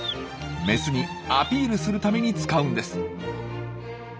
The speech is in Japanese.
メスにアピールするために使うんです。